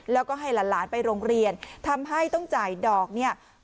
แล้วก็ให้หลานไปโรงเรียนทำให้ต้องจ่ายดอกเนี่ย